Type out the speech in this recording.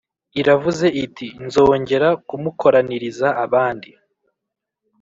iravuze iti Nzongera kumukoraniriza abandi